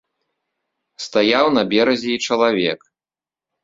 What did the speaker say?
Стаяў на беразе і чалавек.